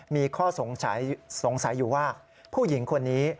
มีข้อสงสัยอยู่ว่าผู้หญิงคนนี้